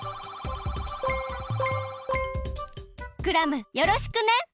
クラムよろしくね！